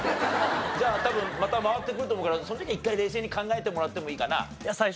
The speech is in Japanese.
じゃあ多分また回ってくると思うからその時は一回冷静に考えてもらってもいいかな？